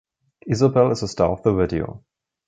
Isabel is the star of the video.